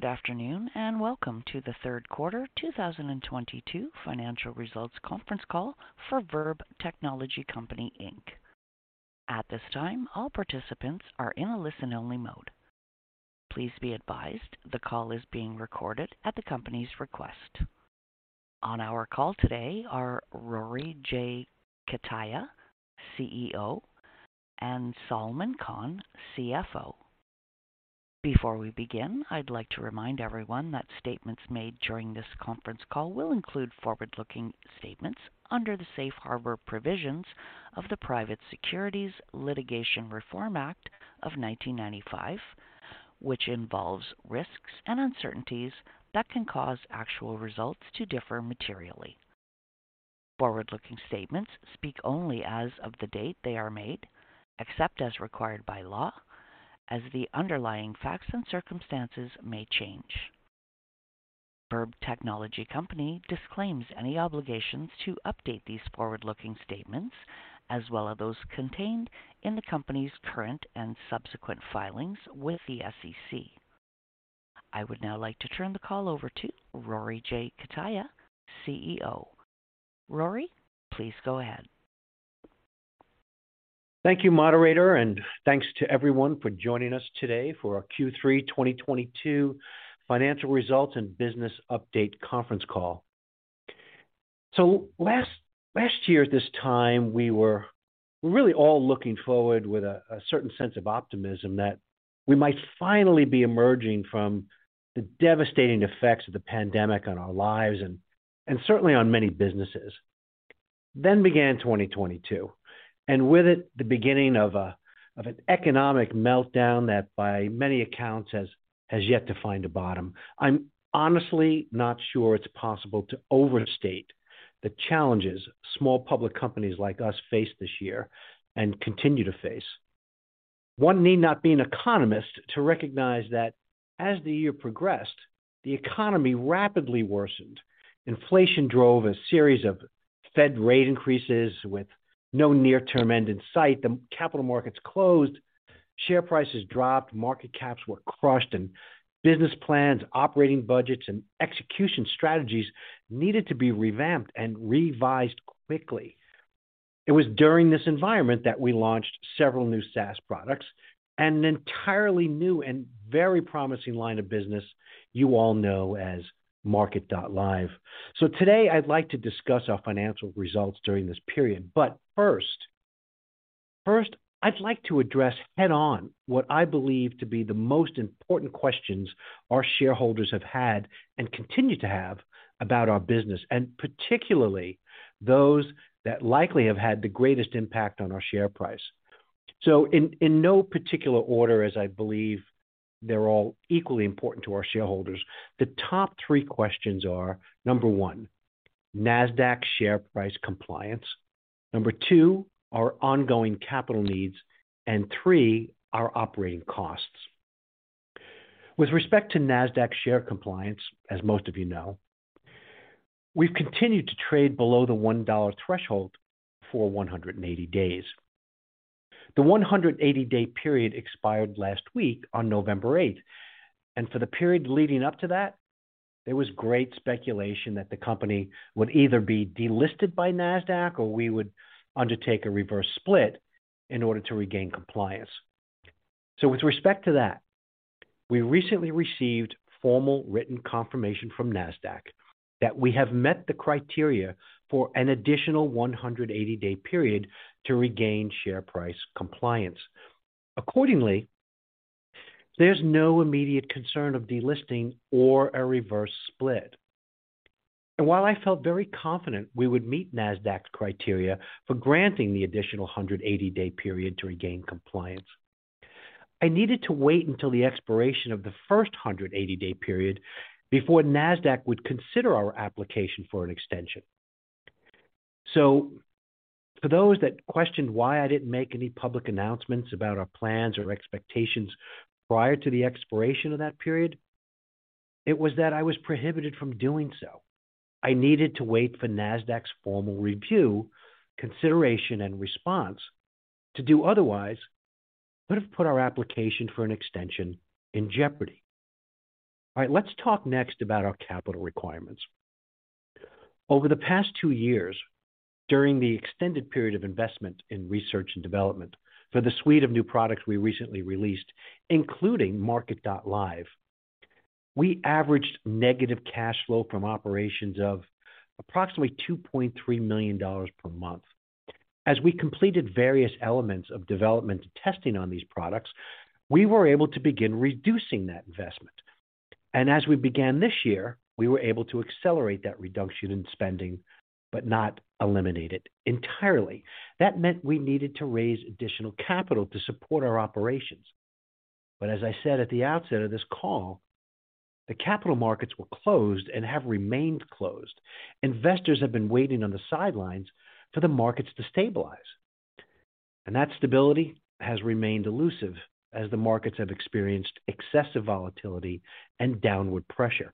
Good afternoon, and welcome to the Third Quarter 2022 Financial Results Conference Call for Verb Technology Company Inc. At this time, all participants are in a listen-only mode. Please be advised the call is being recorded at the company's request. On our call today are Rory J. Cutaia, CEO, and Salman Khan, CFO. Before we begin, I'd like to remind everyone that statements made during this conference call will include forward-looking statements under the Safe Harbor provisions of the Private Securities Litigation Reform Act of 1995, which involves risks and uncertainties that can cause actual results to differ materially. Forward-looking statements speak only as of the date they are made, except as required by law, as the underlying facts and circumstances may change. Verb Technology Company disclaims any obligations to update these forward-looking statements, as well as those contained in the company's current and subsequent filings with the SEC. I would now like to turn the call over to Rory J. Cutaia, CEO. Rory, please go ahead. Thank you, moderator, and thanks to everyone for joining us today for our Q3 2022 financial results and business update conference call. Last year at this time, we were really all looking forward with a certain sense of optimism that we might finally be emerging from the devastating effects of the pandemic on our lives and certainly on many businesses. 2022 began, and with it, the beginning of an economic meltdown that by many accounts has yet to find a bottom. I'm honestly not sure it's possible to overstate the challenges small public companies like us faced this year and continue to face. One need not be an economist to recognize that as the year progressed, the economy rapidly worsened. Inflation drove a series of Fed rate increases with no near-term end in sight. The capital markets closed, share prices dropped, market caps were crushed, and business plans, operating budgets, and execution strategies needed to be revamped and revised quickly. It was during this environment that we launched several new SaaS products and an entirely new and very promising line of business you all know as MARKET.live. Today, I'd like to discuss our financial results during this period. First, I'd like to address head-on what I believe to be the most important questions our shareholders have had and continue to have about our business, and particularly those that likely have had the greatest impact on our share price. In no particular order, as I believe they're all equally important to our shareholders, the top three questions are, number one, Nasdaq share price compliance, number two, our ongoing capital needs, and three, our operating costs. With respect to Nasdaq share compliance, as most of you know, we've continued to trade below the $1 threshold for 180 days. The 180-day period expired last week on November 8th, and for the period leading up to that, there was great speculation that the company would either be delisted by Nasdaq or we would undertake a reverse split in order to regain compliance. With respect to that, we recently received formal written confirmation from Nasdaq that we have met the criteria for an additional 180-day period to regain share price compliance. Accordingly, there's no immediate concern of delisting or a reverse split. While I felt very confident we would meet Nasdaq's criteria for granting the additional 180-day period to regain compliance, I needed to wait until the expiration of the first 180-day period before Nasdaq would consider our application for an extension. For those that questioned why I didn't make any public announcements about our plans or expectations prior to the expiration of that period, it was that I was prohibited from doing so. I needed to wait for Nasdaq's formal review, consideration, and response. To do otherwise would have put our application for an extension in jeopardy. All right, let's talk next about our capital requirements. Over the past two years, during the extended period of investment in research and development for the suite of new products we recently released, including MARKET.live, we averaged negative cash flow from operations of approximately $2.3 million per month. As we completed various elements of development and testing on these products, we were able to begin reducing that investment. As we began this year, we were able to accelerate that reduction in spending but not eliminate it entirely. That meant we needed to raise additional capital to support our operations. As I said at the outset of this call, the capital markets were closed and have remained closed. Investors have been waiting on the sidelines for the markets to stabilize, and that stability has remained elusive as the markets have experienced excessive volatility and downward pressure.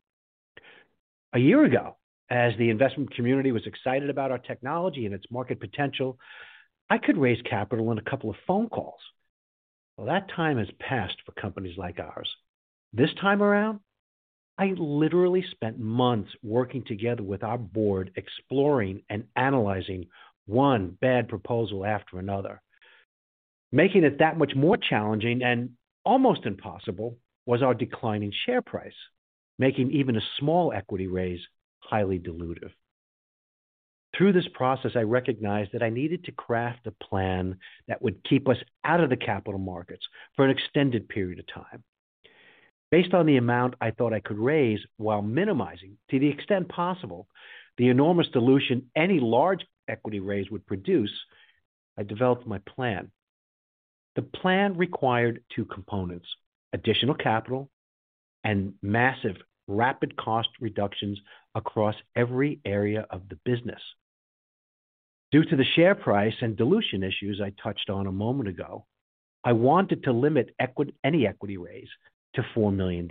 A year ago, as the investment community was excited about our technology and its market potential, I could raise capital in a couple of phone calls. Well, that time has passed for companies like ours. This time around, I literally spent months working together with our board exploring and analyzing one bad proposal after another. Making it that much more challenging and almost impossible was our declining share price, making even a small equity raise highly dilutive. Through this process, I recognized that I needed to craft a plan that would keep us out of the capital markets for an extended period of time. Based on the amount I thought I could raise while minimizing, to the extent possible, the enormous dilution any large equity raise would produce, I developed my plan. The plan required two components, additional capital and massive rapid cost reductions across every area of the business. Due to the share price and dilution issues I touched on a moment ago, I wanted to limit any equity raise to $4 million.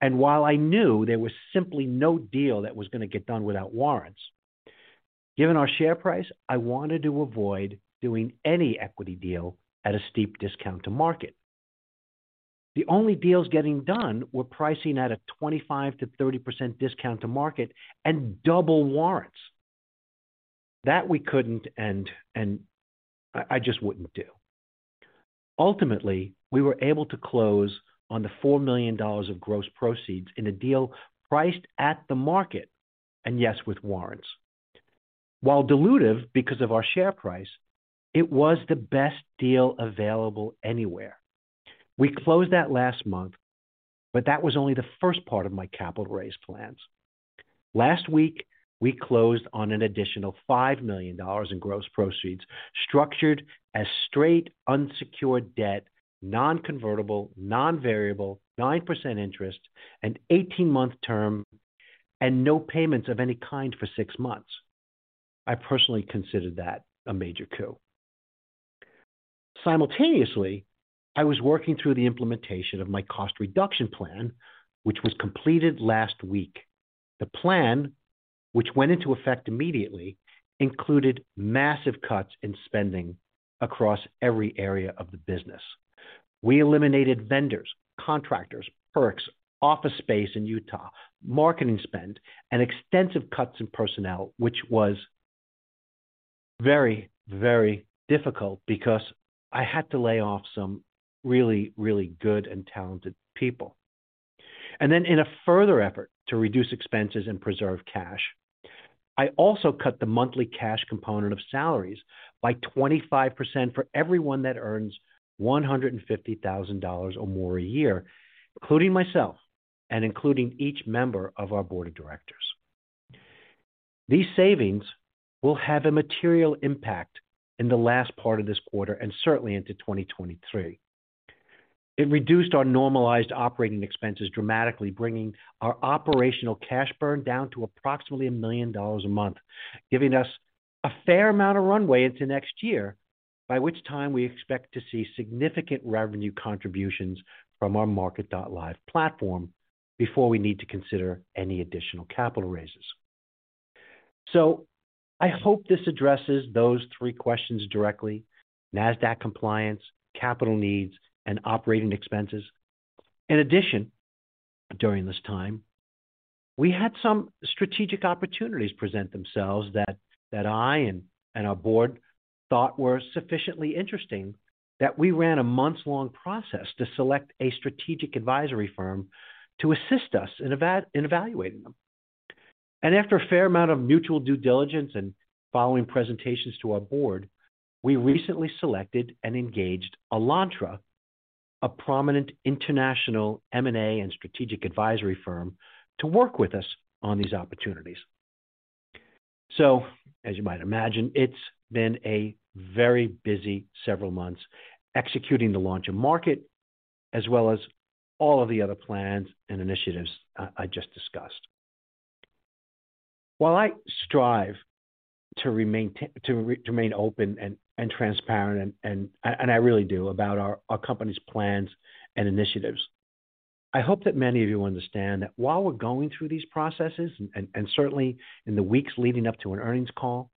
While I knew there was simply no deal that was gonna get done without warrants, given our share price, I wanted to avoid doing any equity deal at a steep discount to market. The only deals getting done were pricing at a 25%-30% discount to market and double warrants. That we couldn't and I just wouldn't do. Ultimately, we were able to close on the $4 million of gross proceeds in a deal priced at the market, and yes, with warrants. While dilutive because of our share price, it was the best deal available anywhere. We closed that last month, but that was only the first part of my capital raise plans. Last week, we closed on an additional $5 million in gross proceeds structured as straight unsecured debt, non-convertible, non-variable, 9% interest, an 18-month term, and no payments of any kind for six months. I personally considered that a major coup. Simultaneously, I was working through the implementation of my cost reduction plan, which was completed last week. The plan, which went into effect immediately, included massive cuts in spending across every area of the business. We eliminated vendors, contractors, perks, office space in Utah, marketing spend, and extensive cuts in personnel, which was very, very difficult because I had to lay off some really, really good and talented people. Then in a further effort to reduce expenses and preserve cash, I also cut the monthly cash component of salaries by 25% for everyone that earns $150,000 or more a year, including myself, and including each member of our board of directors. These savings will have a material impact in the last part of this quarter and certainly into 2023. It reduced our normalized operating expenses dramatically, bringing our operational cash burn down to approximately $1 million a month, giving us a fair amount of runway into next year, by which time we expect to see significant revenue contributions from our MARKET.live platform before we need to consider any additional capital raises. I hope this addresses those three questions directly, Nasdaq compliance, capital needs, and operating expenses. In addition, during this time, we had some strategic opportunities present themselves that I and our board thought were sufficiently interesting that we ran a months-long process to select a strategic advisory firm to assist us in evaluating them. After a fair amount of mutual due diligence and following presentations to our board, we recently selected and engaged Alantra, a prominent international M&A and strategic advisory firm, to work with us on these opportunities. As you might imagine, it's been a very busy several months executing the launch of Market as well as all of the other plans and initiatives I just discussed. While I strive to remain open and transparent, and I really do about our company's plans and initiatives, I hope that many of you understand that while we're going through these processes and certainly in the weeks leading up to an earnings call,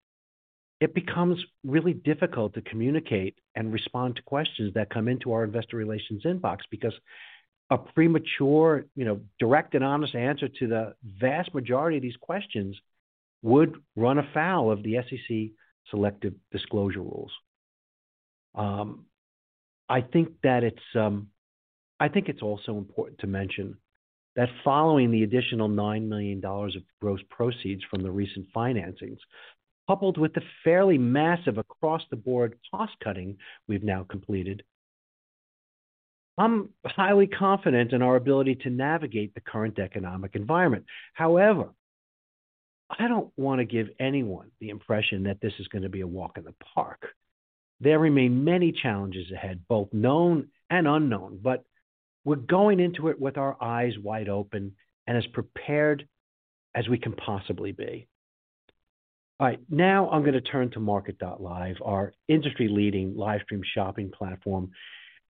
it becomes really difficult to communicate and respond to questions that come into our investor relations inbox because a premature, you know, direct and honest answer to the vast majority of these questions would run afoul of the SEC selective disclosure rules. I think that it's I think it's also important to mention that following the additional $9 million of gross proceeds from the recent financings, coupled with the fairly massive across-the-board cost-cutting we've now completed, I'm highly confident in our ability to navigate the current economic environment. However, I don't wanna give anyone the impression that this is gonna be a walk in the park. There remain many challenges ahead, both known and unknown, but we're going into it with our eyes wide open and as prepared as we can possibly be. All right. Now I'm going to turn to MARKET.live, our industry-leading live stream shopping platform,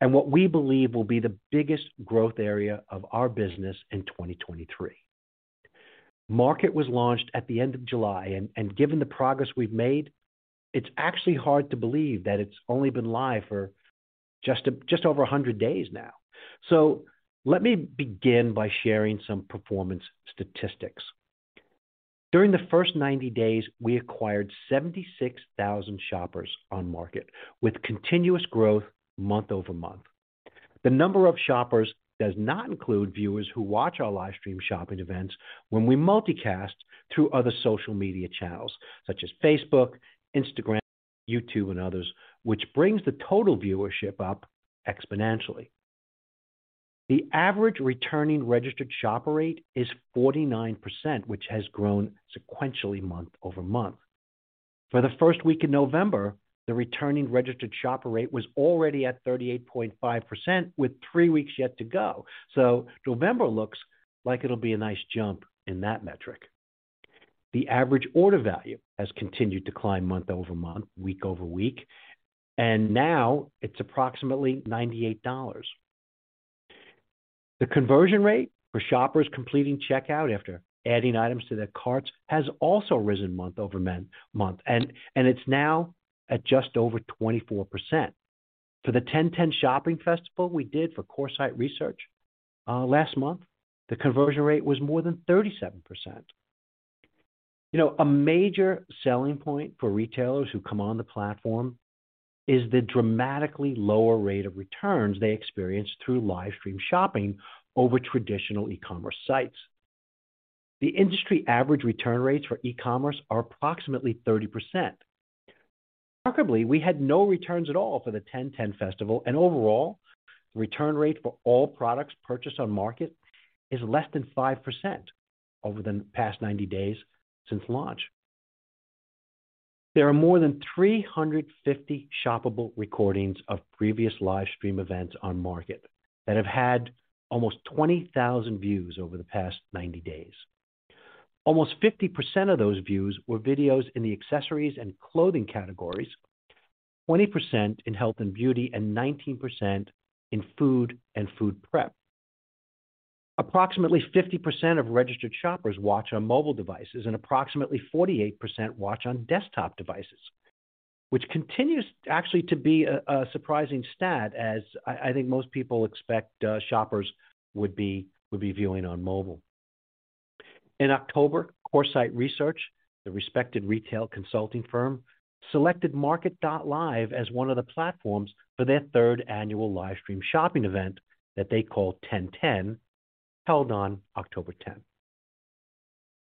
and what we believe will be the biggest growth area of our business in 2023. MARKET was launched at the end of July, and given the progress we've made, it's actually hard to believe that it's only been live for just over 100 days now. Let me begin by sharing some performance statistics. During the first 90 days, we acquired 76,000 shoppers on MARKET, with continuous growth month-over-month. The number of shoppers does not include viewers who watch our livestream shopping events when we multicast through other social media channels such as Facebook, Instagram, YouTube, and others, which brings the total viewership up exponentially. The average returning registered shopper rate is 49%, which has grown sequentially month-over-month. For the first week in November, the returning registered shopper rate was already at 38.5% with three weeks yet to go. November looks like it'll be a nice jump in that metric. The average order value has continued to climb month-over-month, week-over-week, and now it's approximately $98. The conversion rate for shoppers completing checkout after adding items to their carts has also risen month-over-month, and it's now at just over 24%. For the 10.10 Shopping Festival we did for Coresight Research last month, the conversion rate was more than 37%. You know, a major selling point for retailers who come on the platform is the dramatically lower rate of returns they experience through live stream shopping over traditional e-commerce sites. The industry average return rates for e-commerce are approximately 30%. Remarkably, we had no returns at all for the 10.10 Festival, and overall, the return rate for all products purchased on Market is less than 5% over the past 90 days since launch. There are more than 350 shoppable recordings of previous live stream events on MARKET.live that have had almost 20,000 views over the past 90 days. Almost 50% of those views were videos in the accessories and clothing categories, 20% in health and beauty, and 19% in food and food prep. Approximately 50% of registered shoppers watch on mobile devices, and approximately 48% watch on desktop devices, which continues actually to be a surprising stat, as I think most people expect shoppers would be viewing on mobile. In October, Coresight Research, the respected retail consulting firm, selected MARKET.live as one of the platforms for their third annual live stream shopping event that they call 10.10, held on October 10.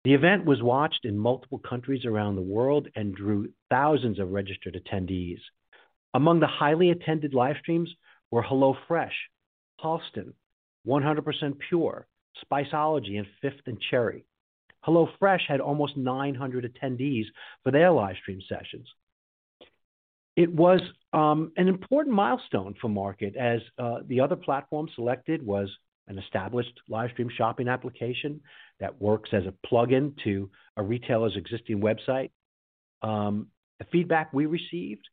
The event was watched in multiple countries around the world and drew thousands of registered attendees. Among the highly attended live streams were HelloFresh, Halston, 100% PURE, Spiceology, and Fifth & Cherry. HelloFresh had almost 900 attendees for their live stream sessions. It was an important milestone for MARKET as the other platform selected was an established live stream shopping application that works as a plugin to a retailer's existing website. The feedback we received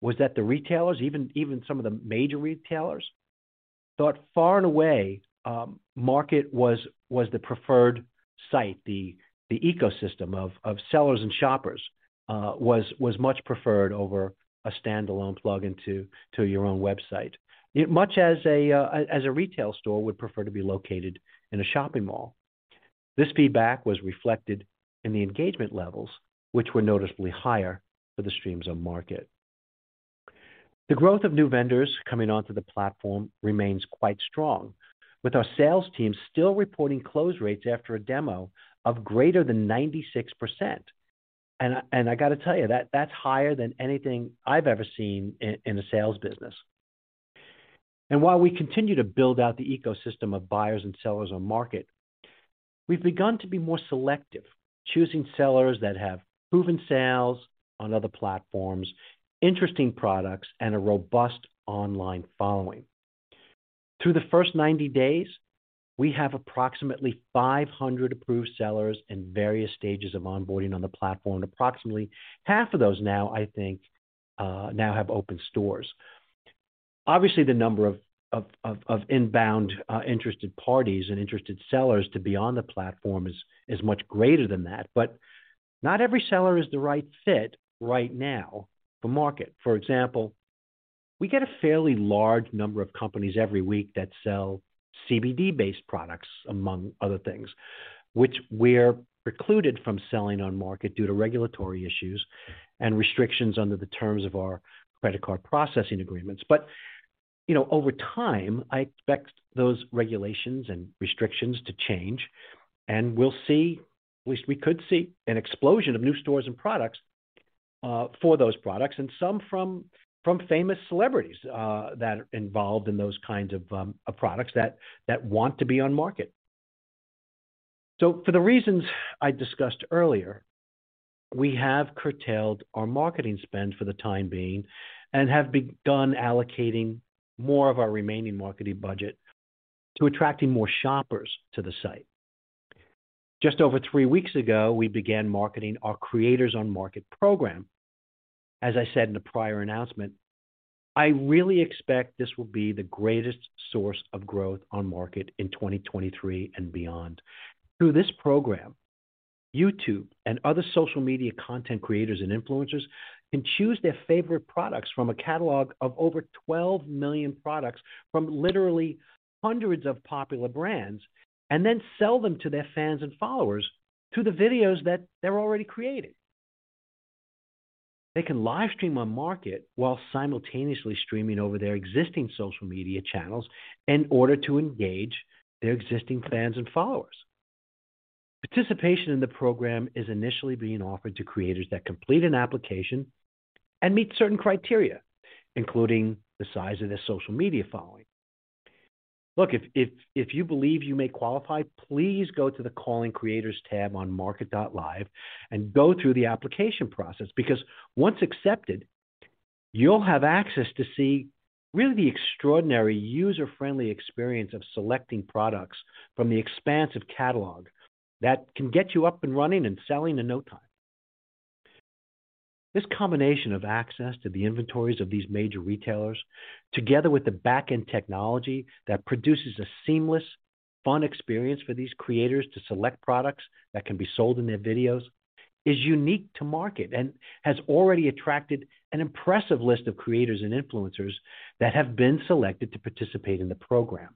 was that the retailers, even some of the major retailers, thought far and away MARKET was the preferred site. The ecosystem of sellers and shoppers was much preferred over a standalone plugin to your own website, much as a retail store would prefer to be located in a shopping mall. This feedback was reflected in the engagement levels, which were noticeably higher for the streams on MARKET. The growth of new vendors coming onto the platform remains quite strong, with our sales team still reporting close rates after a demo of greater than 96%. I got to tell you that that's higher than anything I've ever seen in a sales business. While we continue to build out the ecosystem of buyers and sellers on MARKET, we've begun to be more selective, choosing sellers that have proven sales on other platforms, interesting products, and a robust online following. Through the first 90 days, we have approximately 500 approved sellers in various stages of onboarding on the platform. Approximately half of those now, I think, have open stores. Obviously, the number of inbound interested parties and interested sellers to be on the platform is much greater than that. Not every seller is the right fit right now for MARKET. For example, we get a fairly large number of companies every week that sell CBD-based products, among other things, which we're precluded from selling on MARKET due to regulatory issues and restrictions under the terms of our credit card processing agreements. You know, over time, I expect those regulations and restrictions to change, and we'll see, at least we could see an explosion of new stores and products for those products, and some from famous celebrities that are involved in those kinds of products that want to be on MARKET. For the reasons I discussed earlier, we have curtailed our marketing spend for the time being and have begun allocating more of our remaining marketing budget to attracting more shoppers to the site. Just over three weeks ago, we began marketing our Creators on Market program. As I said in the prior announcement, I really expect this will be the greatest source of growth on MARKET in 2023 and beyond. Through this program, YouTube and other social media content creators and influencers can choose their favorite products from a catalog of over 12 million products from literally hundreds of popular brands, and then sell them to their fans and followers through the videos that they're already creating. They can live stream on MARKET while simultaneously streaming over their existing social media channels in order to engage their existing fans and followers. Participation in the program is initially being offered to creators that complete an application and meet certain criteria, including the size of their social media following. Look, if you believe you may qualify, please go to the Calling Creators tab on MARKET.live and go through the application process, because once accepted, you'll have access to see really the extraordinary user-friendly experience of selecting products from the expansive catalog that can get you up and running and selling in no time. This combination of access to the inventories of these major retailers, together with the back-end technology that produces a seamless, fun experience for these creators to select products that can be sold in their videos, is unique to MARKET.live and has already attracted an impressive list of creators and influencers that have been selected to participate in the program.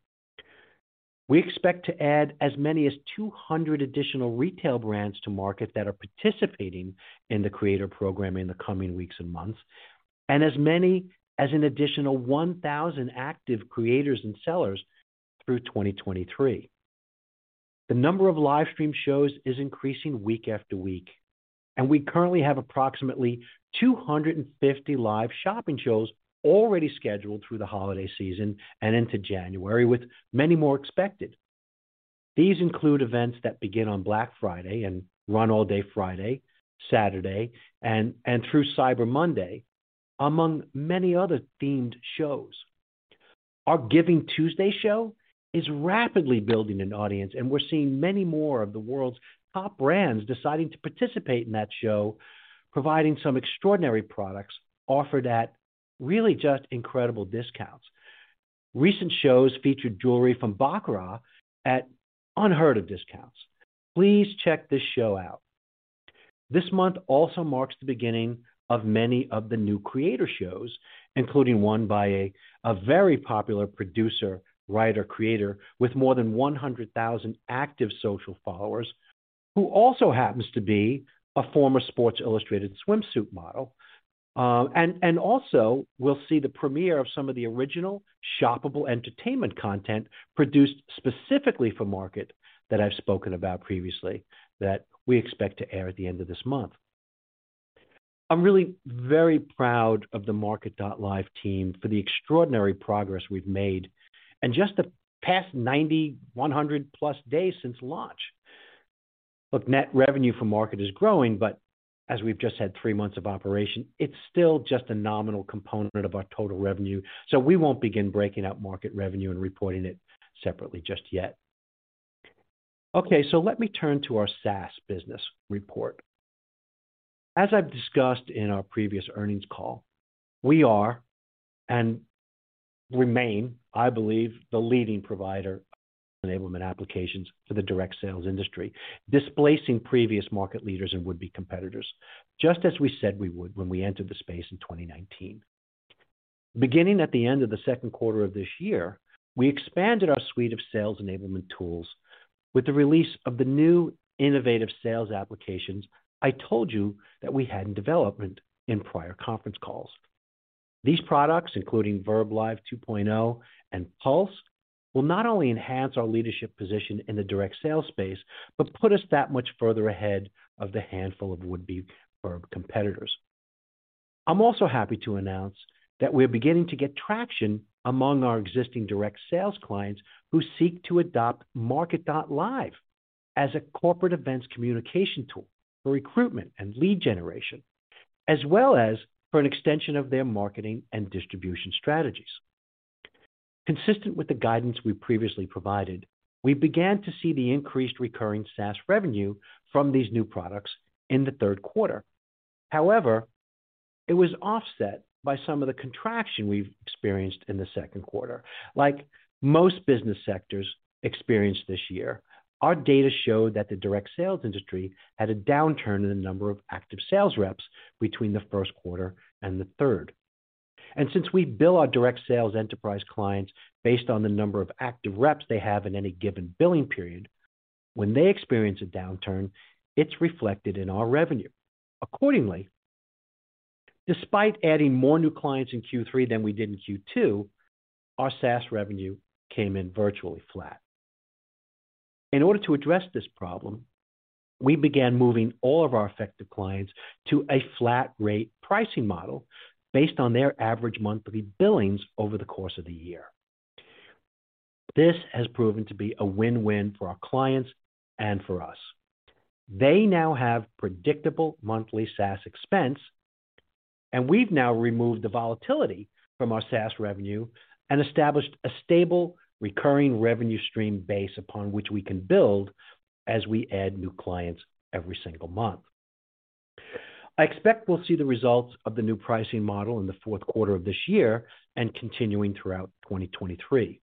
We expect to add as many as 200 additional retail brands to MARKET that are participating in the creator program in the coming weeks and months, and as many as an additional 1,000 active creators and sellers through 2023. The number of live stream shows is increasing week after week, and we currently have approximately 250 live shopping shows already scheduled through the holiday season and into January, with many more expected. These include events that begin on Black Friday and run all day Friday, Saturday, and through Cyber Monday, among many other themed shows. Our GivingTuesday show is rapidly building an audience, and we're seeing many more of the world's top brands deciding to participate in that show, providing some extraordinary products offered at really just incredible discounts. Recent shows featured jewelry from Baccarat at unheard-of discounts. Please check this show out. This month also marks the beginning of many of the new creator shows, including one by a very popular producer, writer, creator with more than 100,000 active social followers, who also happens to be a former Sports Illustrated swimsuit model. We'll see the premiere of some of the original shoppable entertainment content produced specifically for MARKET that I've spoken about previously that we expect to air at the end of this month. I'm really very proud of the MARKET.live team for the extraordinary progress we've made in just the past 90, 100-plus days since launch. Look, net revenue for MARKET is growing, but as we've just had three months of operation, it's still just a nominal component of our total revenue, so we won't begin breaking out MARKET revenue and reporting it separately just yet. Okay, let me turn to our SaaS business report. As I've discussed in our previous earnings call, we are and remain, I believe, the leading provider of enablement applications for the direct sales industry, displacing previous market leaders and would-be competitors, just as we said we would when we entered the space in 2019. Beginning at the end of the second quarter of this year, we expanded our suite of sales enablement tools with the release of the new innovative sales applications I told you that we had in development in prior conference calls. These products, including verbLIVE 2.0 and Pulse, will not only enhance our leadership position in the direct sales space but put us that much further ahead of the handful of would-be Verb competitors. I'm also happy to announce that we're beginning to get traction among our existing direct sales clients who seek to adopt MARKET.live as a corporate events communication tool for recruitment and lead generation, as well as for an extension of their marketing and distribution strategies. Consistent with the guidance we previously provided, we began to see the increased recurring SaaS revenue from these new products in the third quarter. However, it was offset by some of the contraction we've experienced in the second quarter. Like most business sectors experienced this year, our data showed that the direct sales industry had a downturn in the number of active sales reps between the first quarter and the third. Since we bill our direct sales enterprise clients based on the number of active reps they have in any given billing period, when they experience a downturn, it's reflected in our revenue. Accordingly, despite adding more new clients in Q3 than we did in Q2, our SaaS revenue came in virtually flat. In order to address this problem, we began moving all of our affected clients to a flat rate pricing model based on their average monthly billings over the course of the year. This has proven to be a win-win for our clients and for us. They now have predictable monthly SaaS expense. And we've now removed the volatility from our SaaS revenue and established a stable, recurring revenue stream base upon which we can build as we add new clients every single month. I expect we'll see the results of the new pricing model in the fourth quarter of this year and continuing throughout 2023.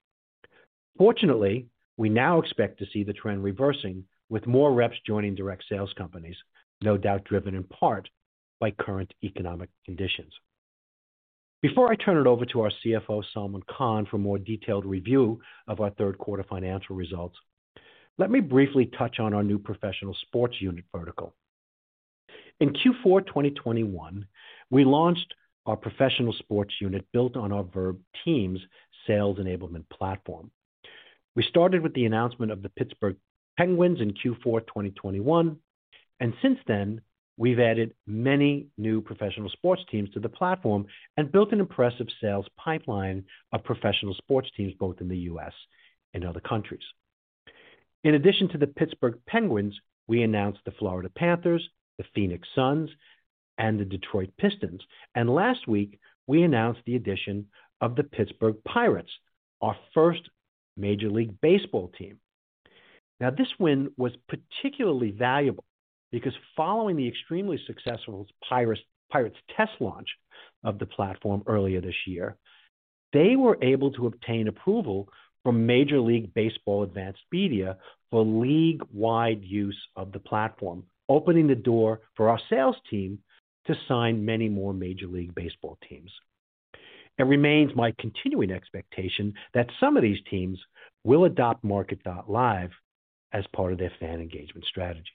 Fortunately, we now expect to see the trend reversing with more reps joining direct sales companies, no doubt driven in part by current economic conditions. Before I turn it over to our CFO, Salman Khan, for more detailed review of our third quarter financial results, let me briefly touch on our new professional sports unit vertical. In Q4 2021, we launched our professional sports unit built on our verbTEAMS sales enablement platform. We started with the announcement of the Pittsburgh Penguins in Q4 2021, and since then, we've added many new professional sports teams to the platform and built an impressive sales pipeline of professional sports teams both in the U.S. and other countries. In addition to the Pittsburgh Penguins, we announced the Florida Panthers, the Phoenix Suns, and the Detroit Pistons. Last week, we announced the addition of the Pittsburgh Pirates, our first Major League Baseball team. Now, this win was particularly valuable because following the extremely successful Pirates test launch of the platform earlier this year, they were able to obtain approval from Major League Baseball Advanced Media for league-wide use of the platform, opening the door for our sales team to sign many more Major League Baseball teams. It remains my continuing expectation that some of these teams will adopt MARKET.live as part of their fan engagement strategies.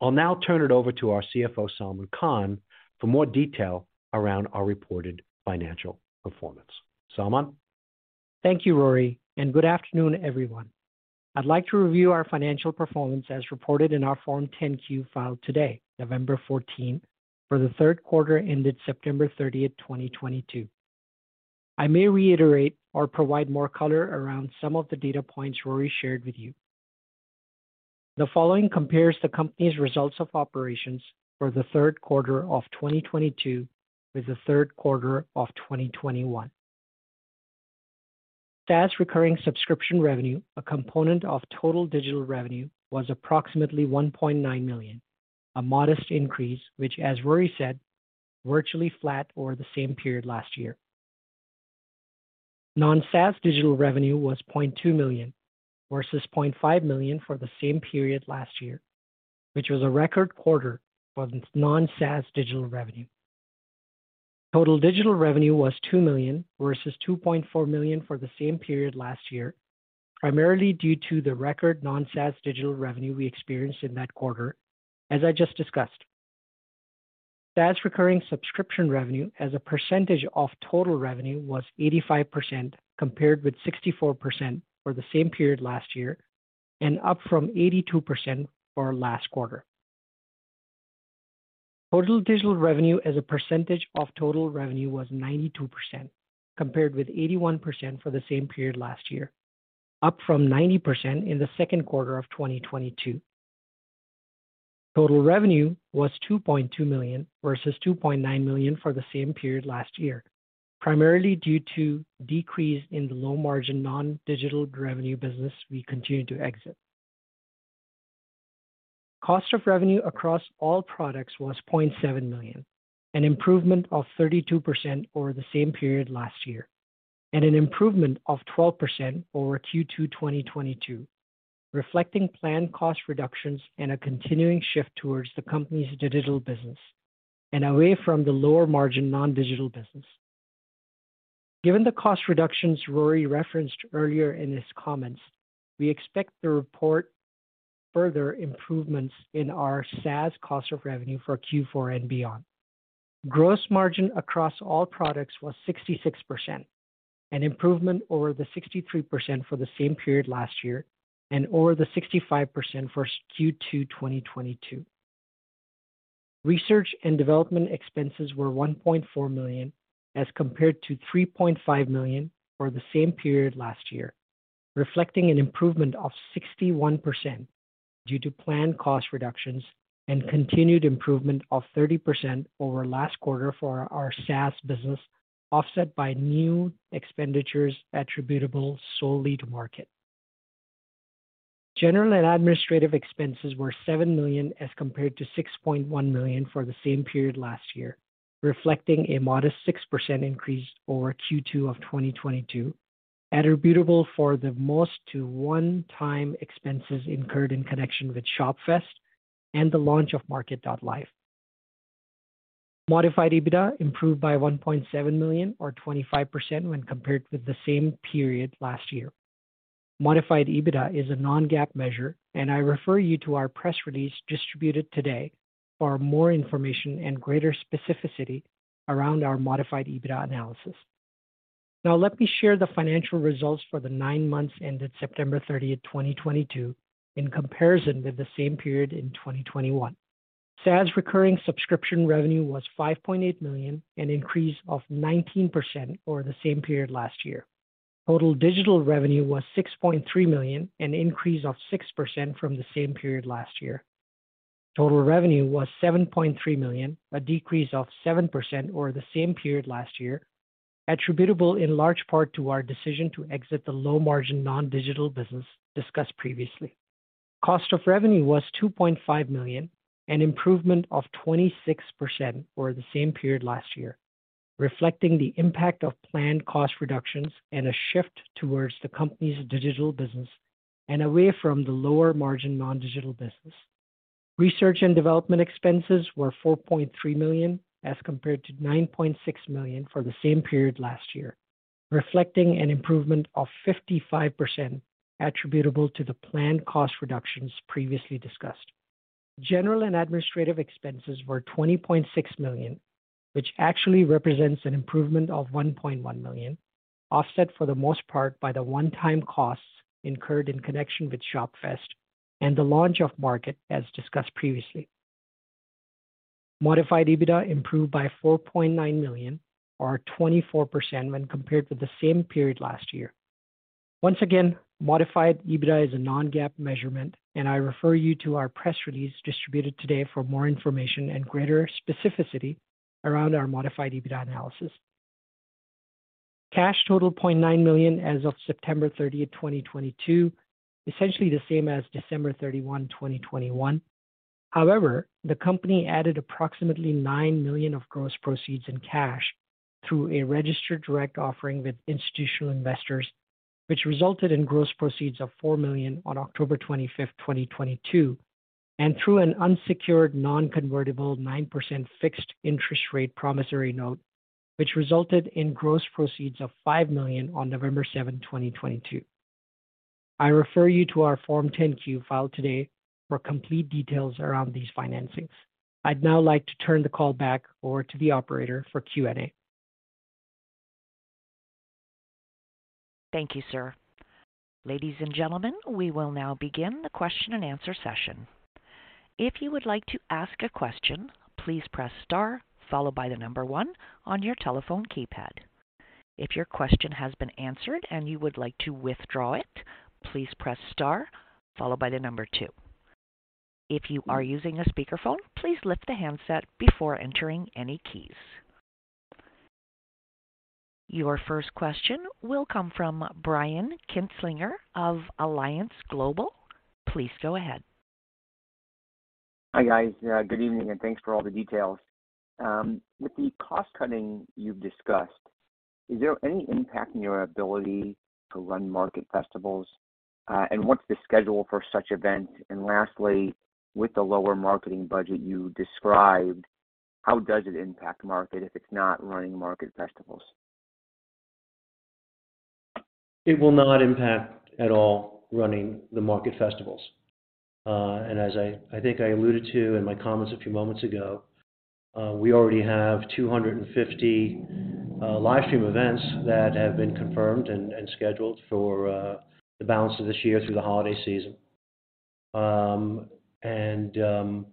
I'll now turn it over to our CFO, Salman Khan, for more detail around our reported financial performance. Salman. Thank you, Rory, and good afternoon, everyone. I'd like to review our financial performance as reported in our Form 10-Q filed today, November 14, for the third quarter ended September 30th, 2022. I may reiterate or provide more color around some of the data points Rory shared with you. The following compares the company's results of operations for the third quarter of 2022 with the third quarter of 2021. SaaS recurring subscription revenue, a component of total digital revenue, was approximately $1.9 million, a modest increase which, as Rory said, virtually flat over the same period last year. Non-SaaS digital revenue was $0.2 million versus $0.5 million for the same period last year, which was a record quarter for non-SaaS digital revenue. Total digital revenue was $2 million versus $2.4 million for the same period last year, primarily due to the record non-SaaS digital revenue we experienced in that quarter, as I just discussed. SaaS recurring subscription revenue as a percentage of total revenue was 85%, compared with 64% for the same period last year and up from 82% for last quarter. Total digital revenue as a percentage of total revenue was 92%, compared with 81% for the same period last year, up from 90% in the second quarter of 2022. Total revenue was $2.2 million versus $2.9 million for the same period last year, primarily due to decrease in the low-margin non-digital revenue business we continue to exit. Cost of revenue across all products was $0.7 million, an improvement of 32% over the same period last year, and an improvement of 12% over Q2 2022, reflecting planned cost reductions and a continuing shift towards the company's digital business and away from the lower margin non-digital business. Given the cost reductions Rory referenced earlier in his comments, we expect to report further improvements in our SaaS cost of revenue for Q4 and beyond. Gross margin across all products was 66%, an improvement over the 63% for the same period last year and over the 65% for Q2 2022. Research and development expenses were $1.4 million as compared to $3.5 million for the same period last year, reflecting an improvement of 61% due to planned cost reductions and continued improvement of 30% over last quarter for our SaaS business, offset by new expenditures attributable solely to Market. General and administrative expenses were $7 million as compared to $6.1 million for the same period last year, reflecting a modest 6% increase over Q2 of 2022, attributable for the most to one-time expenses incurred in connection with Shop Fest and the launch of MARKET.live. Modified EBITDA improved by $1.7 million or 25% when compared with the same period last year. Modified EBITDA is a non-GAAP measure, and I refer you to our press release distributed today for more information and greater specificity around our modified EBITDA analysis. Now let me share the financial results for the nine months ended September 30th, 2022, in comparison with the same period in 2021. SaaS recurring subscription revenue was $5.8 million, an increase of 19% over the same period last year. Total digital revenue was $6.3 million, an increase of 6% from the same period last year. Total revenue was $7.3 million, a decrease of 7% over the same period last year, attributable in large part to our decision to exit the low-margin non-digital business discussed previously. Cost of revenue was $2.5 million, an improvement of 26% over the same period last year, reflecting the impact of planned cost reductions and a shift towards the company's digital business and away from the lower margin non-digital business. Research and development expenses were $4.3 million, as compared to $9.6 million for the same period last year, reflecting an improvement of 55% attributable to the planned cost reductions previously discussed. General and administrative expenses were $20.6 million, which actually represents an improvement of $1.1 million, offset for the most part by the one-time costs incurred in connection with Shop Fest and the launch of MARKET.live as discussed previously. Modified EBITDA improved by $4.9 million or 24% when compared with the same period last year. Once again, modified EBITDA is a non-GAAP measurement, and I refer you to our press release distributed today for more information and greater specificity around our modified EBITDA analysis. Cash totaled $0.9 million as of September 30th, 2022, essentially the same as December 31, 2021. However, the company added approximately $9 million of gross proceeds in cash through a registered direct offering with institutional investors, which resulted in gross proceeds of $4 million on October 25th, 2022, and through an unsecured non-convertible 9% fixed interest rate promissory note, which resulted in gross proceeds of $5 million on November 7, 2022. I refer you to our Form 10-Q filed today for complete details around these financings. I'd now like to turn the call back over to the operator for Q&A. Thank you, sir. Ladies and gentlemen, we will now begin the question-and-answer session. If you would like to ask a question, please press star followed by the number one on your telephone keypad. If your question has been answered and you would like to withdraw it, please press star followed by the number two. If you are using a speakerphone, please lift the handset before entering any keys. Your first question will come from Brian Kinstlinger of Alliance Global. Please go ahead. Hi, guys. Good evening, and thanks for all the details. With the cost-cutting you've discussed, is there any impact in your ability to run Shop Fests? What's the schedule for such events? Lastly, with the lower marketing budget you described, how does it impact MARKET.live if it's not running Shop Fests? It will not impact at all running the MARKET festivals. As I think I alluded to in my comments a few moments ago, we already have 250 live stream events that have been confirmed and scheduled for the balance of this year through the holiday season. No,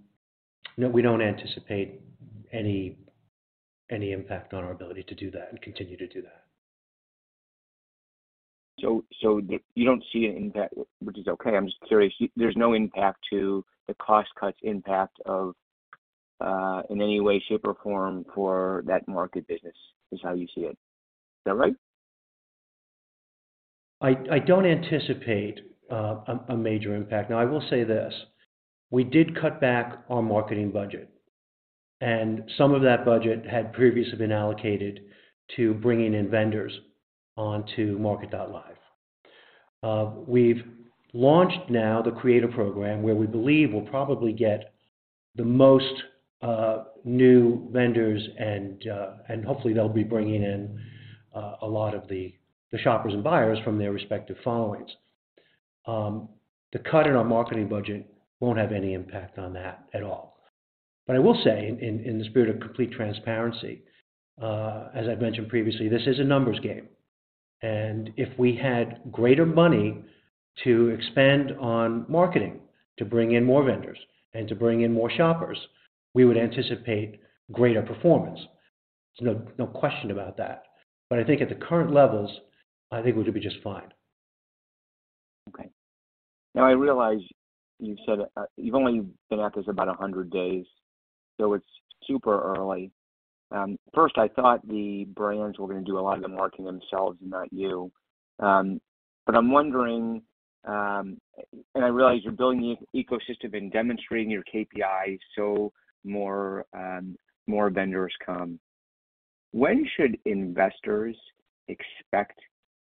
we don't anticipate any impact on our ability to do that and continue to do that. You don't see an impact, which is okay. I'm just curious. There's no impact to the cost cuts impact of, in any way, shape, or form for that market business, is how you see it. Is that right? I don't anticipate a major impact. Now, I will say this, we did cut back our marketing budget, and some of that budget had previously been allocated to bringing in vendors onto MARKET.live. We've launched now the creator program, where we believe we'll probably get the most new vendors and hopefully they'll be bringing in a lot of the shoppers and buyers from their respective followings. The cut in our marketing budget won't have any impact on that at all. I will say in the spirit of complete transparency, as I've mentioned previously, this is a numbers game. If we had greater money to expand on marketing, to bring in more vendors and to bring in more shoppers, we would anticipate greater performance. There's no question about that. I think at the current levels, we should be just fine. Okay. Now, I realize you've said you've only been at this about 100 days, so it's super early. First, I thought the brands were gonna do a lot of the marketing themselves and not you. But I'm wondering, and I realize you're building the ecosystem and demonstrating your KPIs, so more vendors come. When should investors expect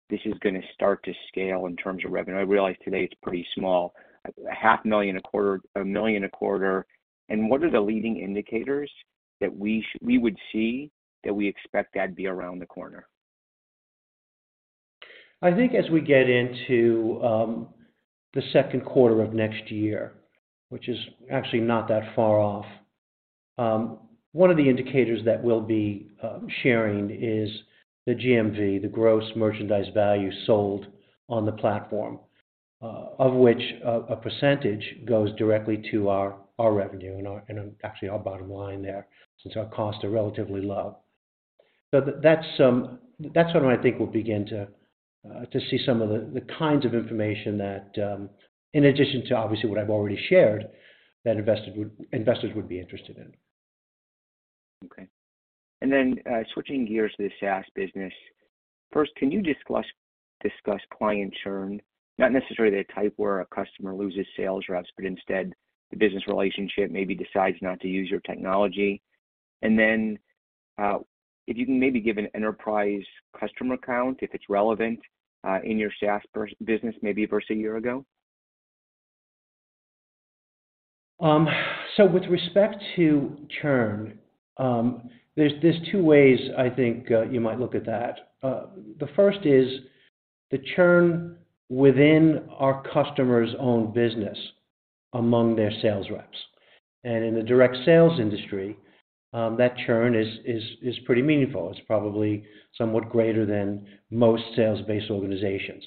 this is gonna start to scale in terms of revenue? I realize today it's pretty small, $ 0.5 Million a quarter, $1 million a quarter. What are the leading indicators that we would see that we expect that to be around the corner? I think as we get into the second quarter of next year, which is actually not that far off, one of the indicators that we'll be sharing is the GMV, the gross merchandise value sold on the platform. Of which a percentage goes directly to our revenue and actually our bottom line there since our costs are relatively low. That's when I think we'll begin to see some of the kinds of information that, in addition to obviously what I've already shared, that investors would be interested in. Okay. Switching gears to the SaaS business. First, can you discuss client churn? Not necessarily the type where a customer loses sales reps, but instead the business relationship maybe decides not to use your technology. If you can maybe give an enterprise customer count, if it's relevant, in your SaaS business, maybe versus a year ago. With respect to churn, there's two ways I think you might look at that. The first is the churn within our customer's own business among their sales reps. In the direct sales industry, that churn is pretty meaningful. It's probably somewhat greater than most sales-based organizations.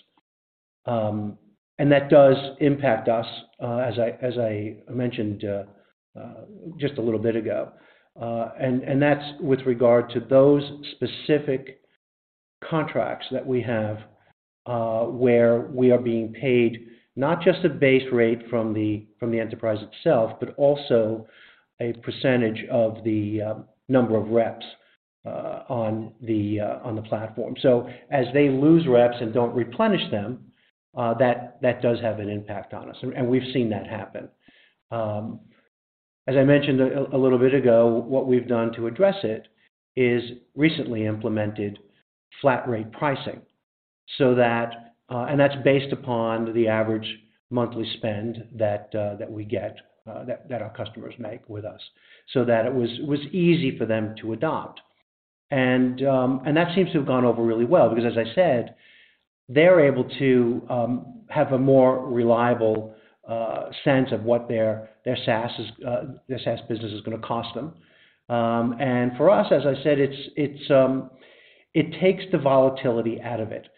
That does impact us, as I mentioned, just a little bit ago. That's with regard to those specific contracts that we have, where we are being paid not just a base rate from the enterprise itself, but also a percentage of the number of reps on the platform. As they lose reps and don't replenish them, that does have an impact on us, and we've seen that happen. As I mentioned a little bit ago, what we've done to address it is recently implemented flat rate pricing so that that's based upon the average monthly spend that we get that our customers make with us, so that it was easy for them to adopt. That seems to have gone over really well because as I said, they're able to have a more reliable sense of what their SaaS business is gonna cost them. For us, as I said, it takes the volatility out of it.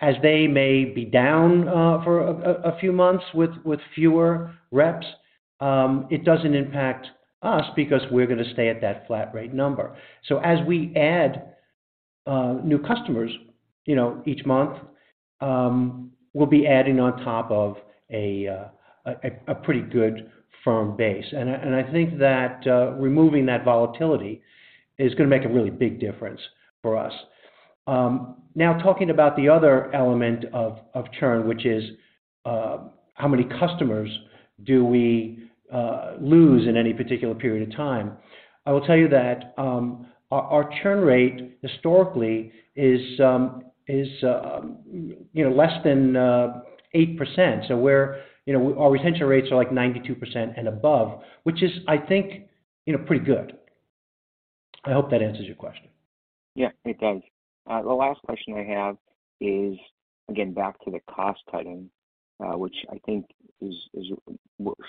As they may be down for a few months with fewer reps, it doesn't impact us because we're gonna stay at that flat rate number. As we add new customers, you know, each month, we'll be adding on top of a pretty good firm base. I think that removing that volatility is gonna make a really big difference for us. Now talking about the other element of churn, which is how many customers do we lose in any particular period of time. I will tell you that our churn rate historically is you know, less than 8%. We're, you know, our retention rates are like 92% and above, which is, I think, you know, pretty good. I hope that answers your question. Yeah, it does. The last question I have is, again, back to the cost cutting, which I think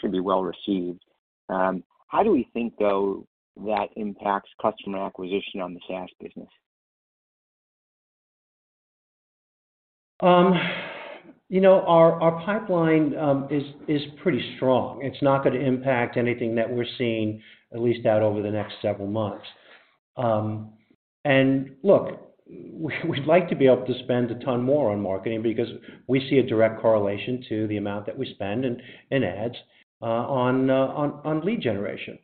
should be well received. How do we think, though, that impacts customer acquisition on the SaaS business? You know, our pipeline is pretty strong. It's not gonna impact anything that we're seeing, at least out over the next several months. Look, we'd like to be able to spend a ton more on marketing because we see a direct correlation to the amount that we spend in ads on lead generation.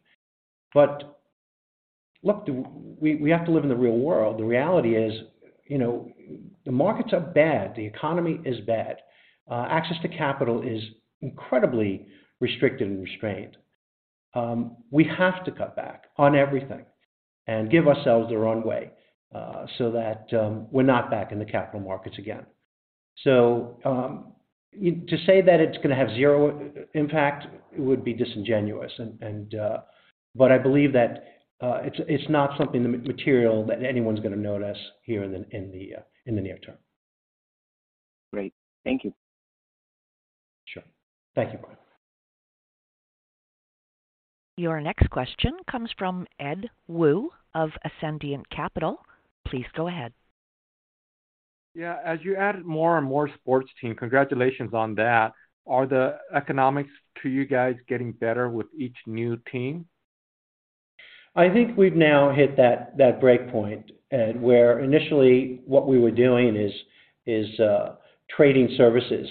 But look, we have to live in the real world. The reality is, you know, the markets are bad, the economy is bad. Access to capital is incredibly restricted and restrained. We have to cut back on everything and give ourselves the runway so that we're not back in the capital markets again. To say that it's gonna have zero impact would be disingenuous. I believe that it's not something material that anyone's gonna notice here in the near term. Great. Thank you. Sure. Thank you, Brian. Your next question comes from Ed Wu of Ascendiant Capital Markets. Please go ahead. Yeah. As you added more and more sports teams, congratulations on that. Are the economics for you guys getting better with each new team? I think we've now hit that break point, Ed, where initially what we were doing is trading services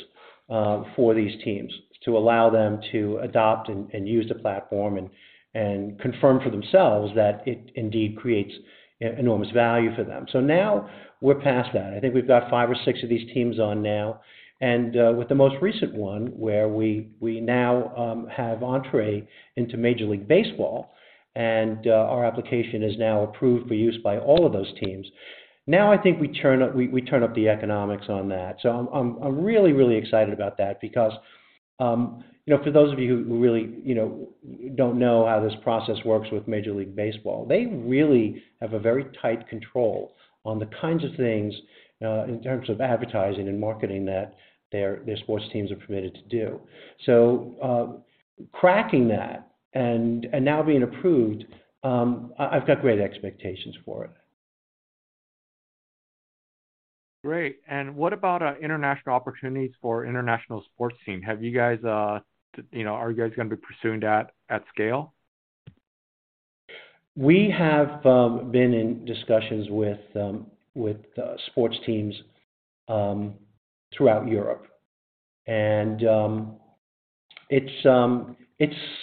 for these teams to allow them to adopt and use the platform and confirm for themselves that it indeed creates enormous value for them. Now we're past that. I think we've got five or six of these teams on now. With the most recent one, where we now have entree into Major League Baseball, and our application is now approved for use by all of those teams. Now I think we turn up the economics on that. I'm really excited about that because, you know, for those of you who really, you know, don't know how this process works with Major League Baseball, they really have a very tight control on the kinds of things in terms of advertising and marketing that their sports teams are permitted to do. Cracking that and now being approved, I've got great expectations for it. Great. What about international opportunities for international sports team? Have you guys, you know, are you guys gonna be pursuing that at scale? We have been in discussions with sports teams throughout Europe. It's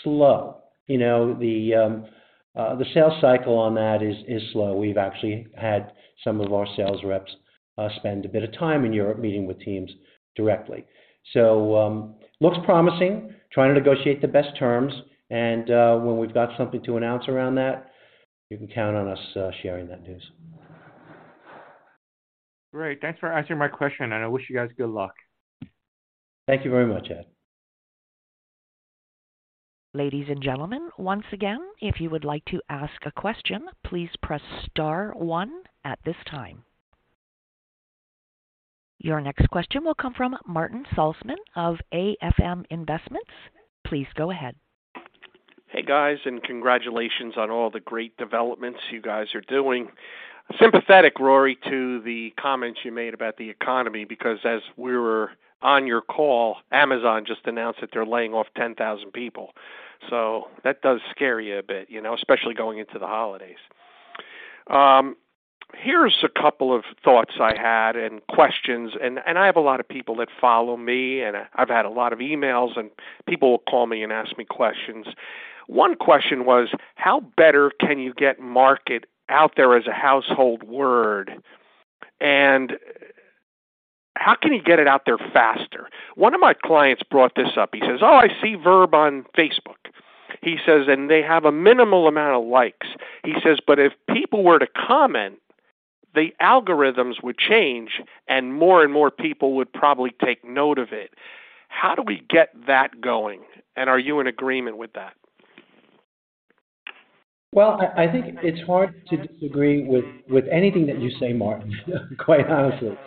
slow. You know, the sales cycle on that is slow. We've actually had some of our sales reps spend a bit of time in Europe meeting with teams directly. Looks promising, trying to negotiate the best terms. When we've got something to announce around that, you can count on us sharing that news. Great. Thanks for answering my question, and I wish you guys good luck. Thank you very much, Ed. Ladies and gentlemen, once again, if you would like to ask a question, please press star one at this time. Your next question will come from Martin Saltzman of AFM Investments. Please go ahead. Hey, guys, congratulations on all the great developments you guys are doing. Sympathetic, Rory, to the comments you made about the economy, because as we were on your call, Amazon just announced that they're laying off 10,000 people. That does scare you a bit, you know, especially going into the holidays. Here's a couple of thoughts I had and questions, and I have a lot of people that follow me, and I've had a lot of emails, and people will call me and ask me questions. One question was, how better can you get Market out there as a household word, and how can you get it out there faster? One of my clients brought this up. He says, "Oh, I see Verb on Facebook." He says, "And they have a minimal amount of likes." He says, "But if people were to comment, the algorithms would change, and more and more people would probably take note of it." How do we get that going? Are you in agreement with that? I think it's hard to disagree with anything that you say, Martin, quite honestly.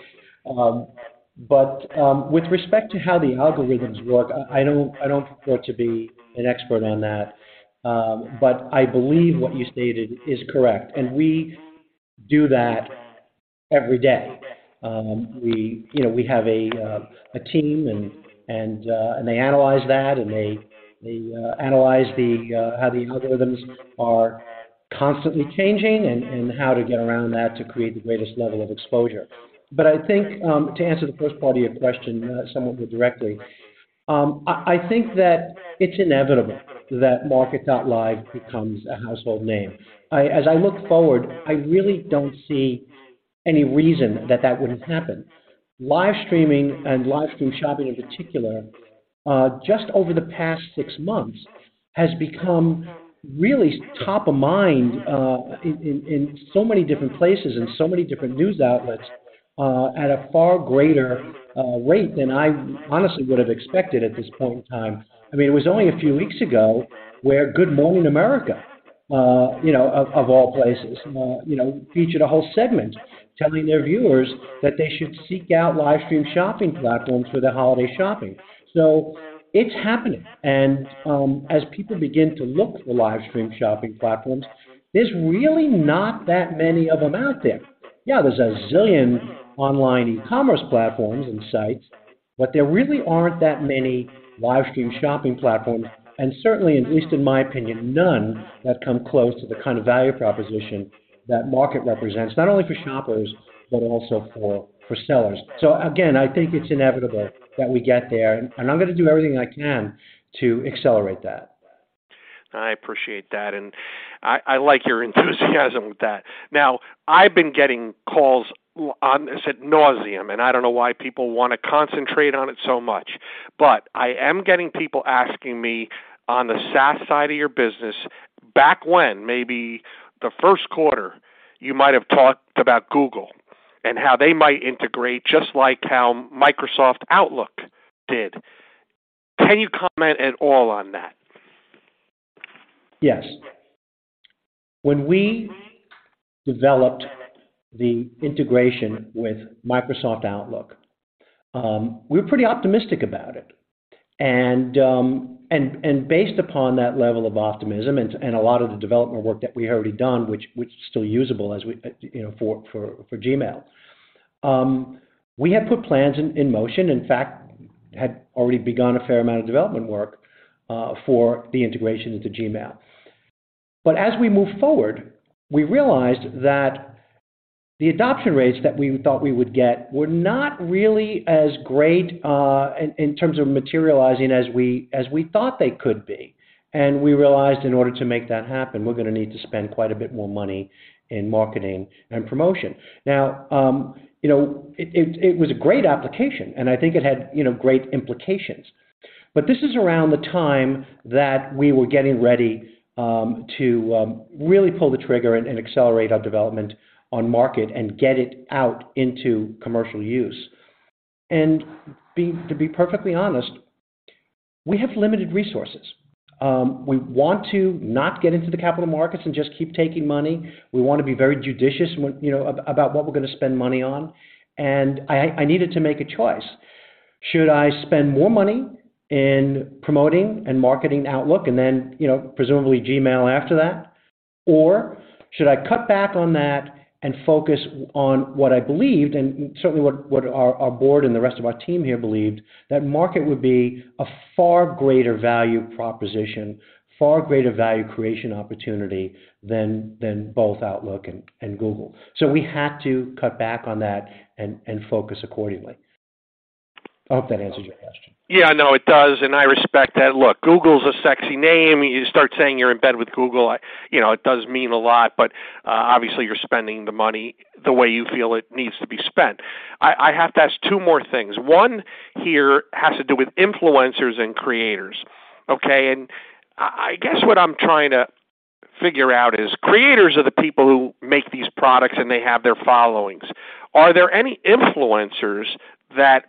With respect to how the algorithms work, I don't purport to be an expert on that, but I believe what you stated is correct, and we do that every day. You know, we have a team and they analyze that, and they analyze how the algorithms are constantly changing and how to get around that to create the greatest level of exposure. I think, to answer the first part of your question, somewhat directly, I think that it's inevitable that MARKET.live becomes a household name. As I look forward, I really don't see any reason that wouldn't happen. Live streaming and live stream shopping in particular, just over the past six months has become really top of mind, in so many different places and so many different news outlets, at a far greater rate than I honestly would have expected at this point in time. I mean, it was only a few weeks ago where Good Morning America, you know, of all places, you know, featured a whole segment telling their viewers that they should seek out live stream shopping platforms for their holiday shopping. It's happening. As people begin to look for live stream shopping platforms, there's really not that many of them out there. Yeah, there's a zillion online e-commerce platforms and sites, but there really aren't that many live stream shopping platforms, and certainly, at least in my opinion, none that come close to the kind of value proposition that Market represents, not only for shoppers, but also for sellers. Again, I think it's inevitable that we get there, and I'm gonna do everything I can to accelerate that. I appreciate that, and I like your enthusiasm with that. Now, I've been getting calls on this ad nauseam, and I don't know why people wanna concentrate on it so much. I am getting people asking me on the SaaS side of your business, back when maybe the first quarter, you might have talked about Google and how they might integrate, just like how Microsoft Outlook did. Can you comment at all on that? Yes. When we developed the integration with Microsoft Outlook, we were pretty optimistic about it. Based upon that level of optimism and a lot of the development work that we had already done, which is still usable as we, you know, for Gmail, we had put plans in motion, in fact, had already begun a fair amount of development work for the integration into Gmail. As we moved forward, we realized that the adoption rates that we thought we would get were not really as great in terms of materializing as we thought they could be. We realized in order to make that happen, we're gonna need to spend quite a bit more money in marketing and promotion. Now, you know, it was a great application, and I think it had, you know, great implications. This is around the time that we were getting ready to really pull the trigger and accelerate our development on Market and get it out into commercial use. To be perfectly honest, we have limited resources. We want to not get into the capital markets and just keep taking money. We wanna be very judicious when, you know, about what we're gonna spend money on, and I needed to make a choice. Should I spend more money in promoting and marketing Outlook and then, you know, presumably Gmail after that? Should I cut back on that and focus on what I believed, and certainly what our board and the rest of our team here believed, that market would be a far greater value proposition, far greater value creation opportunity than both Outlook and Google. We had to cut back on that and focus accordingly. I hope that answers your question. Yeah, no, it does, and I respect that. Look, Google's a sexy name. You start saying you're in bed with Google, you know, it does mean a lot, but obviously you're spending the money the way you feel it needs to be spent. I have to ask two more things. One here has to do with influencers and creators, okay? I guess what I'm trying to figure out is creators are the people who make these products, and they have their followings. Are there any influencers that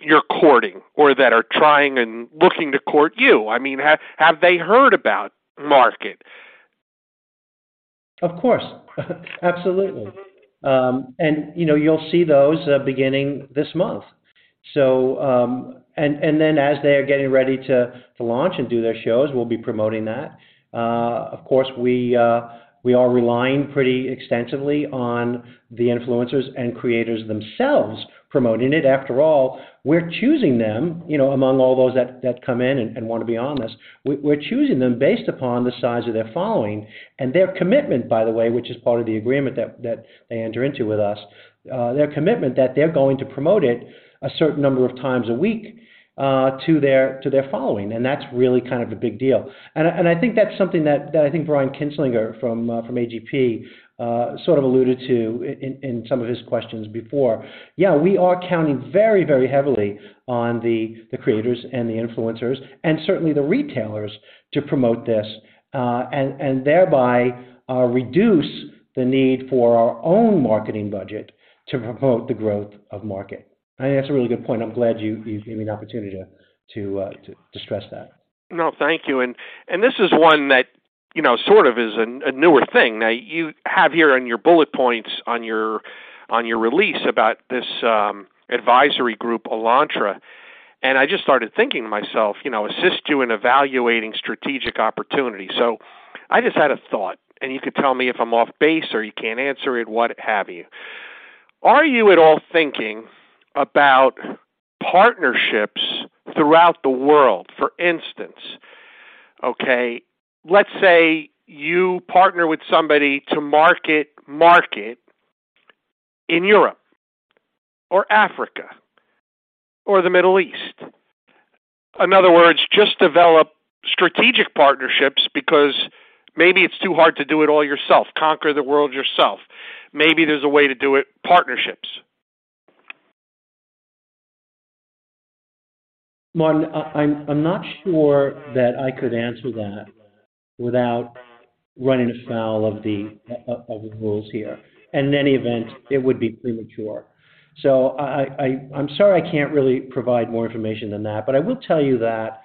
you're courting or that are trying and looking to court you? I mean, have they heard about Market? Of course. Absolutely. You know, you'll see those beginning this month. And then as they are getting ready to launch and do their shows, we'll be promoting that. Of course, we are relying pretty extensively on the influencers and creators themselves promoting it. After all, we're choosing them, you know, among all those that come in and wanna be on this. We're choosing them based upon the size of their following and their commitment, by the way, which is part of the agreement that they enter into with us, their commitment that they're going to promote it a certain number of times a week to their following, and that's really kind of a big deal. I think that's something that I think Brian Kinstlinger from AGP sort of alluded to in some of his questions before. Yeah, we are counting very, very heavily on the creators and the influencers and certainly the retailers to promote this and thereby reduce the need for our own marketing budget to promote the growth of Market. I think that's a really good point. I'm glad you gave me an opportunity to stress that. No, thank you. This is one that, you know, sort of is a newer thing. Now you have here in your bullet points on your release about this advisory group, Alantra, and I just started thinking to myself, you know, assist you in evaluating strategic opportunities. I just had a thought, and you could tell me if I'm off base or you can't answer it, what have you. Are you at all thinking about partnerships throughout the world? For instance, okay, let's say you partner with somebody to market MARKET in Europe or Africa or the Middle East. In other words, just develop strategic partnerships because maybe it's too hard to do it all yourself, conquer the world yourself. Maybe there's a way to do it, partnerships. Martin, I'm not sure that I could answer that without running afoul of the rules here. In any event, it would be premature. I'm sorry I can't really provide more information than that. I will tell you that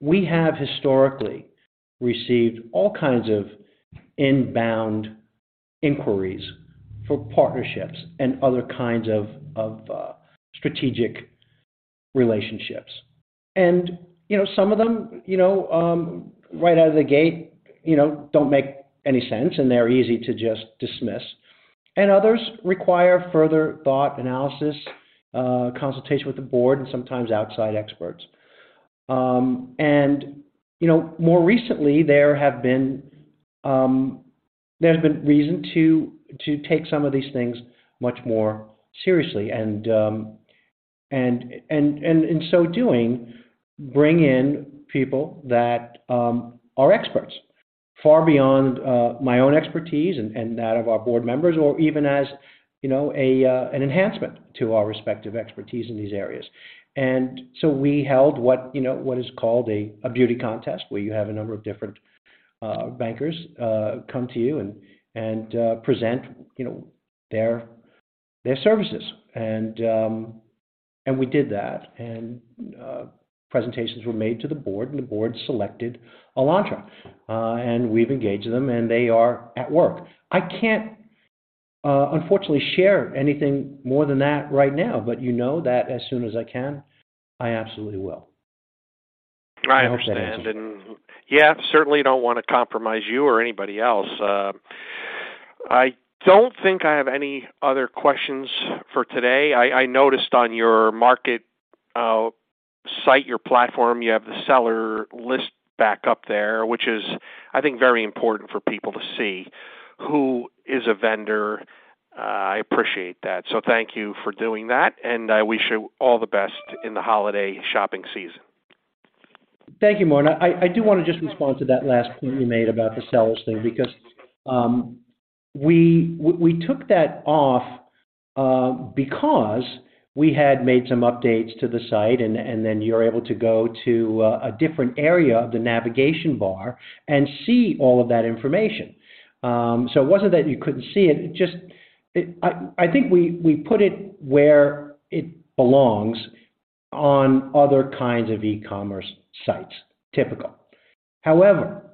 we have historically received all kinds of inbound inquiries for partnerships and other kinds of strategic relationships. You know, some of them, you know, right out of the gate, you know, don't make any sense, and they're easy to just dismiss, and others require further thought, analysis, consultation with the board and sometimes outside experts. You know, more recently, there have been, there's been reason to take some of these things much more seriously and in so doing, bring in people that are experts far beyond my own expertise and that of our board members or even as, you know, an enhancement to our respective expertise in these areas. We held what you know is called a beauty contest, where you have a number of different bankers come to you and present you know their services. We did that, and presentations were made to the board, and the board selected Alantra. We've engaged them, and they are at work. I can't, unfortunately, share anything more than that right now, but you know that as soon as I can, I absolutely will. I understand. Yeah, certainly don't wanna compromise you or anybody else. I don't think I have any other questions for today. I noticed on your market site, your platform, you have the seller list back up there, which is, I think, very important for people to see who is a vendor. I appreciate that. Thank you for doing that, and wish you all the best in the holiday shopping season. Thank you, Martin. I do wanna just respond to that last point you made about the sellers thing because we took that off because we had made some updates to the site and then you're able to go to a different area of the navigation bar and see all of that information. So it wasn't that you couldn't see it just I think we put it where it belongs on other kinds of e-commerce sites. Typical. However,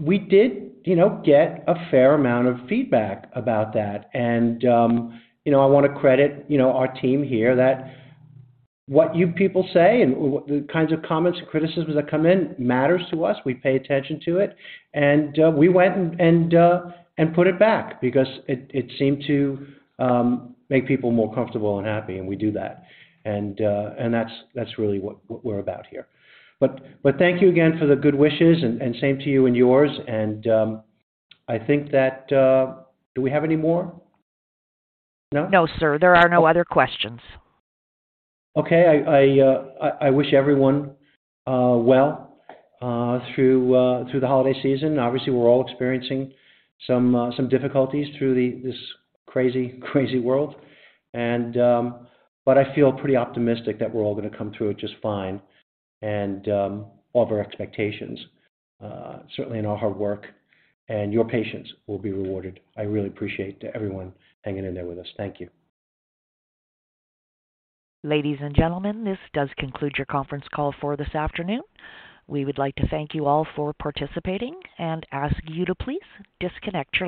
we did, you know, get a fair amount of feedback about that. I wanna credit, you know, our team here that what you people say and what the kinds of comments and criticisms that come in matters to us. We pay attention to it, and we went and put it back because it seemed to make people more comfortable and happy, and we do that. That's really what we're about here. Thank you again for the good wishes, and same to you and yours. I think that. Do we have any more? No? No, sir. There are no other questions. Okay. I wish everyone well through the holiday season. Obviously, we're all experiencing some difficulties through this crazy world. I feel pretty optimistic that we're all gonna come through it just fine and all of our expectations, certainly in our hard work, and your patience will be rewarded. I really appreciate everyone hanging in there with us. Thank you. Ladies and gentlemen, this does conclude your conference call for this afternoon. We would like to thank you all for participating and ask you to please disconnect your lines.